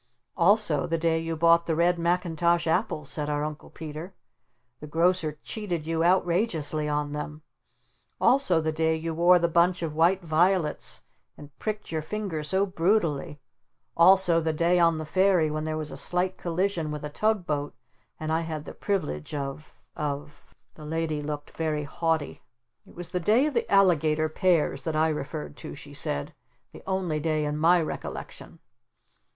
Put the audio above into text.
"Also the day you bought the Red Mackintosh Apples," said our Uncle Peter. "The Grocer cheated you outrageously on them. Also the day you wore the bunch of white violets and pricked your finger so brutally, also the day on the ferry when there was a slight collision with a tug boat and I had the privilege of of ." The Lady looked very haughty. "It was the day of the Alligator Pears that I referred to," she said. "The only day in my recollection!"